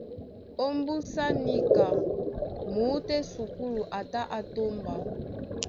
Ómbúsá níka muútú á esukúlu a tá á tómba.